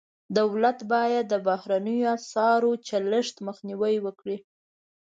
دولت باید د بهرنیو اسعارو چلښت مخنیوی وکړي.